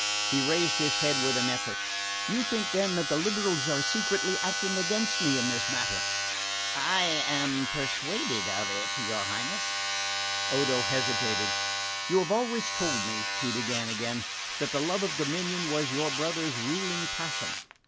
He raised his head with an effort. "You think, then, that the liberals are secretly acting against me in this matter?" "I am persuaded of it, your Highness." Odo hesitated. "You have always told me," he began again, "that the love of dominion was your brother's ruling passion.